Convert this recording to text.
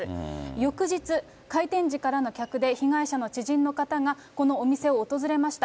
翌日、開店時からの客で被害者の知人の方が、このお店を訪れました。